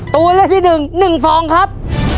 ตัวเลือดที่หนึ่งหนึ่งฟองครับ